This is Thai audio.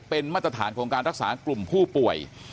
เป็นมาตรฐานของการรักษากลุ่มผู้ป่วย